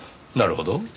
なるほど。